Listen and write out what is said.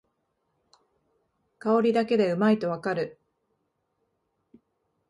香りだけでうまいとわかる